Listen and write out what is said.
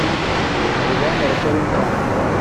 uruganda rukora intwaro